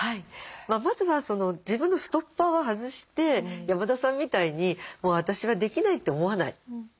まずは自分のストッパーを外して山田さんみたいにもう私はできないって思わない。